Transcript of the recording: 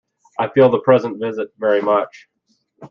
I feel the present visit very much.